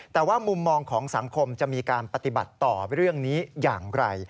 แต่ว่ามุมมองของสังคมจะมีการปฏิบัติต่อเรื่องนี้อย่างไร